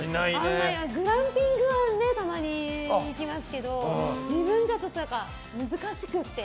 グランピングはたまに行きますけど自分じゃちょっと難しくて。